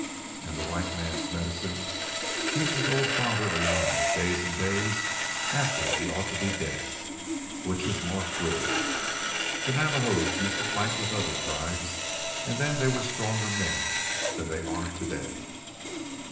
And the white man's medicine keeps his old father alive days and days after he ought to be dead. Which is more cruel? The Navajos used to fight with other tribes, and then they were stronger men than they are to day.